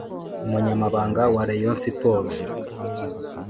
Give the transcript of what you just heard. Umunyamabanga wa Rayon Sports